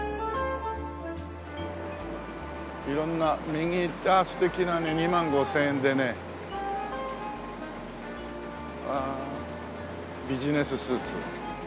色んなああ素敵なね２万５０００円でね。わあビジネススーツ。